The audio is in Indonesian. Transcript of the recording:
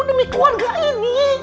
demi keluarga ini